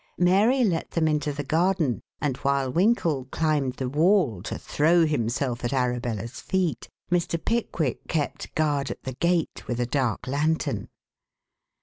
Mary let them into the garden and, while Winkle climbed the wall to throw himself at Arabella's feet, Mr. Pickwick kept guard at the gate with a dark lantern.